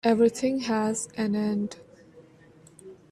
Everything has an end.